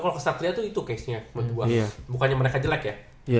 ya kalo ke ksatria tuh itu casenya buat gua bukannya mereka jelek ya